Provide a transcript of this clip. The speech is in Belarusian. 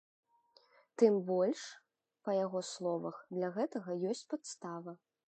Тым больш, па яго словах, для гэтага ёсць падстава.